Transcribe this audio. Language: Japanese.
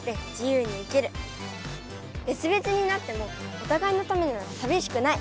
べつべつになってもおたがいのためならさびしくない。